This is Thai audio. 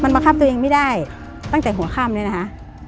มันมาครับตัวเองไม่ได้ตั้งแต่หัวข้ามเลยนะฮะ